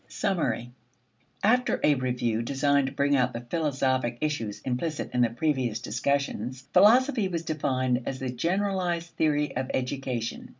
Summary. After a review designed to bring out the philosophic issues implicit in the previous discussions, philosophy was defined as the generalized theory of education.